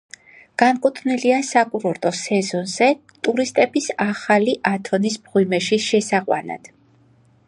განკუთვნილია საკურორტო სეზონზე ტურისტების ახალი ათონის მღვიმეში შესაყვანად.